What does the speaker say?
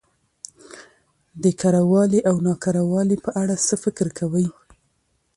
د کره والي او نا کره والي په اړه څه فکر کوؽ